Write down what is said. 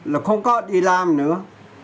là không có đi làm nữa